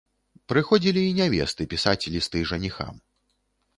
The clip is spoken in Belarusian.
Прыходзілі і нявесты пісаць лісты жаніхам.